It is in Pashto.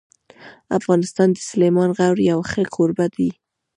افغانستان د سلیمان غر یو ښه کوربه دی.